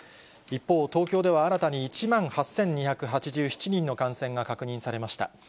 一方、東京では新たに１万８２８７人の感染が確認されました。